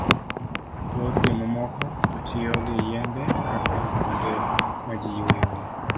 Thoth jomamoko to tiyo gi yiende kaka kuonde ma ji yueyoe.